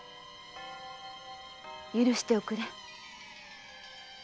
許しておくれ。